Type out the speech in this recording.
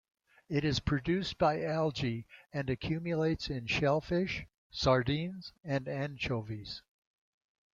It is produced by algae and accumulates in shellfish, sardines, and anchovies.